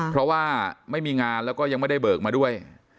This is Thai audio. เพราะว่าไม่มีงานแล้วก็ยังไม่ได้เบิกมาด้วย